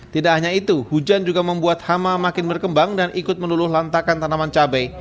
tidak hanya itu hujan juga membuat hama makin berkembang dan ikut meluluh lantakan tanaman cabai